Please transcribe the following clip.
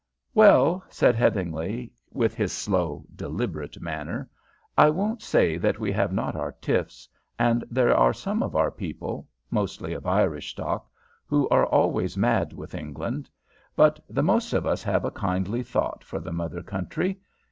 "Well," said Headingly, with his slow, deliberate manner, "I won't say that we have not our tiffs, and there are some of our people mostly of Irish stock who are always mad with England; but the most of us have a kindly thought for the mother country.